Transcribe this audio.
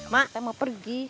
mak kita mau pergi